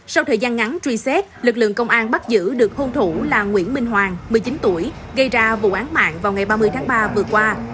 sau thời gian ngắn truy xét lực lượng công an bắt giữ được hôn thủ là nguyễn minh hoàng một mươi chín tuổi gây ra vụ án mạng vào ngày ba mươi tháng ba vừa qua